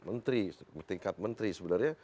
menteri tingkat menteri sebenarnya